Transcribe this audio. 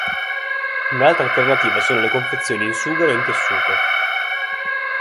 Un'altra alternativa sono le confezioni in sughero e in tessuto.